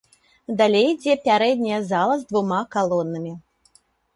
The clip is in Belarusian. Далей ідзе пярэдняя зала з двума калонамі.